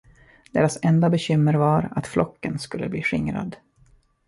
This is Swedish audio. Deras enda bekymmer var, att flocken skulle bli skingrad.